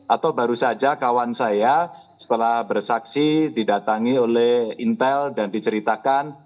atau baru saja kawan saya setelah bersaksi didatangi oleh intel dan diceritakan